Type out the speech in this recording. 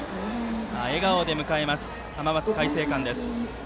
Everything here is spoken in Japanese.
笑顔で迎えた、浜松開誠館です。